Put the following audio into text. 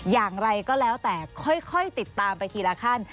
อย่างไรก็แล้วแต่ค่อยติดตามไปทีละขั้น